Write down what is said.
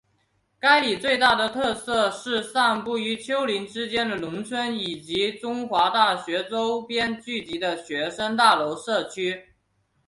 该里最大的特色是散布于丘陵之间的农村以及中华大学周边聚集的学生大楼社区。